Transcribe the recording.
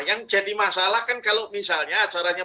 yang jadi masalah kan kalau misalnya acaranya